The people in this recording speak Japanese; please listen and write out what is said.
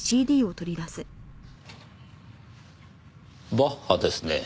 バッハですねぇ。